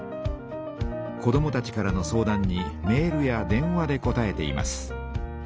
子どもたちからの相談にメールや電話でこたえています。